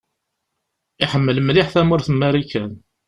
Iḥemmel mliḥ tamurt n Marikan.